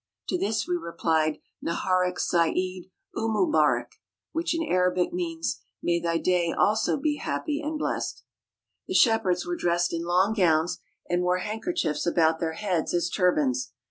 To this we replied Neharak said umubarak which in Arabic means "May thy day also be happy and blessed/' The shepherds were dressed in long gowns and wore handkerchiefs about their heads as turbans.